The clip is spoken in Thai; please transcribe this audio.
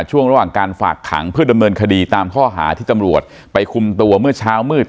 ช่วงระหว่างการฝากขังเพื่อดำเนินคดีตามข้อหาที่ตำรวจไปคุมตัวเมื่อเช้ามืด